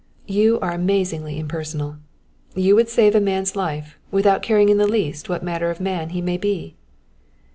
"You are amazingly impersonal. You would save a man's life without caring in the least what manner of man he may be."